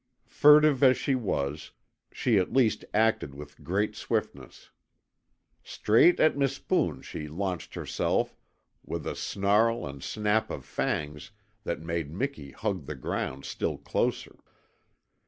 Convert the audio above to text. Furtive as she was, she at least acted with great swiftness. Straight at Mispoon she launched herself with a snarl and snap of fangs that made Miki hug the ground still closer.